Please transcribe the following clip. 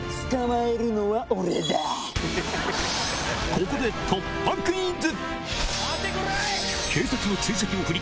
ここで突破クイズ！